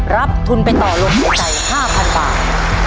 รับทุนไปต่อลมหายใจ๕๐๐๐บาท